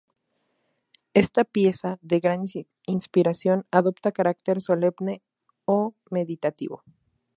Esta pieza, de gran inspiración, adopta carácter solemne o meditativo.